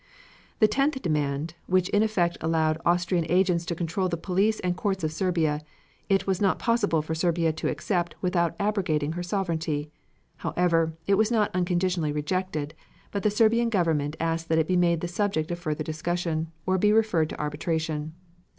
The tenth demand, which in effect allowed Austrian agents to control the police and courts of Serbia, it was not possible for Serbia to accept without abrogating her sovereignty. However, it was not unconditionally rejected, but the Serbian Government asked that it be made the subject of further discussion, or be referred to arbitration.